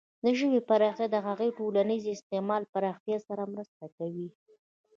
د ژبې پراختیا د هغې د ټولنیز استعمال پراختیا سره مرسته کوي.